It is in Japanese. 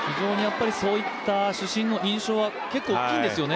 そういった主審の印象は大きいんですよね。